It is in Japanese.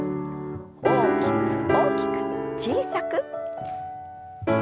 大きく大きく小さく。